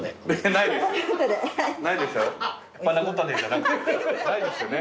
ないですよね？